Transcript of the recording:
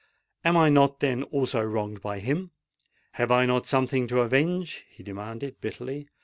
Am I not, then, also wronged by him? Have I not something to avenge?" he demanded bitterly.